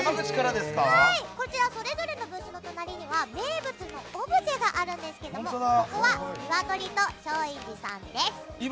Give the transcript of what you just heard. こちらそれぞれのブースの隣には名物のオブジェがあるんですけどここはニワトリと松陰寺さんです。